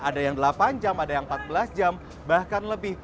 ada yang delapan jam ada yang empat belas jam bahkan lebih